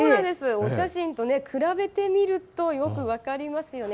お写真と比べてみるとよく分かりますよね。